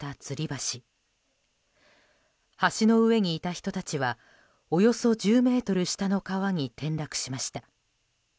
橋の上にいた人たちはおよそ１０ｍ下の川に転落しました。